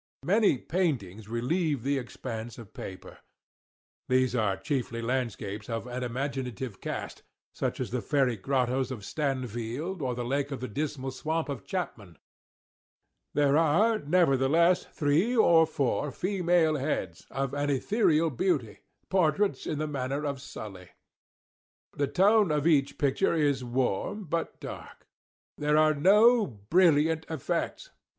Many paintings relieve the expanse of paper. These are chiefly landscapes of an imaginative cast—such as the fairy grottoes of Stanfield, or the lake of the Dismal Swamp of Chapman. There are, nevertheless, three or four female heads, of an ethereal beauty portraits in the manner of Sully. The tone of each picture is warm, but dark. There are no "brilliant effects."